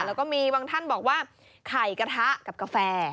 แล้วก็มีบางท่านบอกว่าไข่กระทะกับกาแฟ